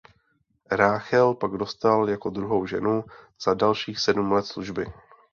Ráchel pak dostal jako druhou ženu za dalších sedm let služby.